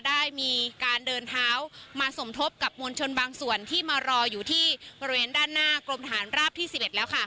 ได้มีการเดินเท้ามาสมทบกับมวลชนบางส่วนที่มารออยู่ที่บริเวณด้านหน้ากรมฐานราบที่๑๑แล้วค่ะ